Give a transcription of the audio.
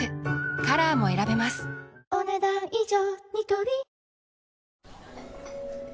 カラーも選べますお、ねだん以上。